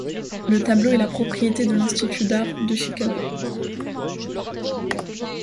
Le tableau est la propriété de l'Institut d'art de Chicago.